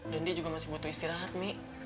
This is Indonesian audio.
dan dia juga masih butuh istirahat mi